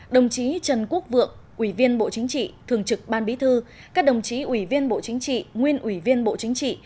đồng chí trần quốc vượng ủy viên bộ chính trị thường trực ban bí thư các đồng chí ủy viên bộ chính trị nguyên ủy viên bộ chính trị